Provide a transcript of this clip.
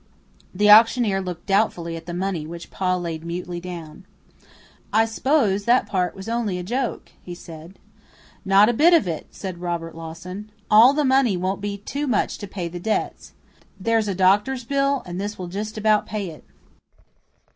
The auctioneer looked doubtfully at the money which Pa laid mutely down. "I s'pose that part was only a joke," he said. "Not a bit of it," said Robert Lawson. "All the money won't be too much to pay the debts. There's a doctor's bill, and this will just about pay it."